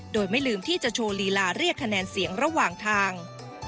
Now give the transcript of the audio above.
โดยไม่ลืมที่จะโชว์ลีลาเรียกคะแนนเสียงระหว่างทาง